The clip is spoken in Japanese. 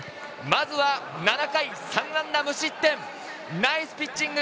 まずは７回３安打無失点、ナイスピッチング。